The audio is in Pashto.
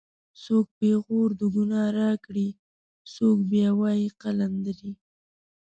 څوک پېغور د گناه راکړي څوک بیا وایي قلندرې